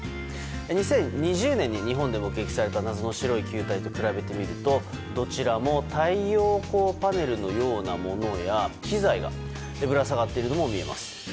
２０２０年に日本で目撃された謎の白い球体と比べてみるとどちらも太陽光パネルのようなものや機材がぶら下がっているのも見えます。